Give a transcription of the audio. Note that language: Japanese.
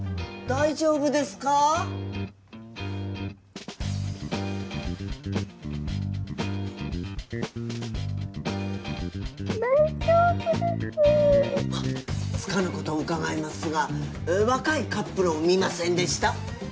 大丈夫ですつかぬことを伺いますが若いカップルを見ませんでした？